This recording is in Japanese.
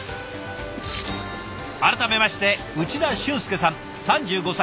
改めまして内田俊佑さん３５歳。